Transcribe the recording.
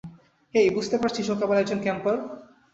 হেই, বুঝতে পারছিস ও কেবল একজন ক্যাম্পার?